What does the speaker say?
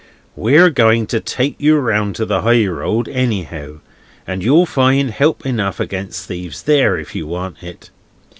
We're going to take you round to the high road, anyhow, and you'll find help enough against thieves there, if you want it.